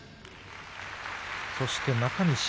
そして中西。